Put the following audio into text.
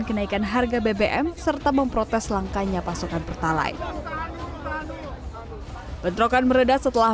kenaikan harga bbm serta memprotes langkanya pasokan pertalai bentrokan meredah setelah